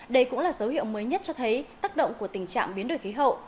đây cũng là dấu hiệu mới nhất cho thấy tác động của tình trạng biến đổi khí hậu